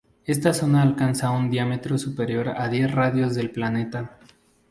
Esta zona alcanza un diámetro superior a diez radios del planeta.